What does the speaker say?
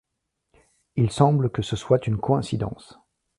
Il semble que ce soit une coïncidence.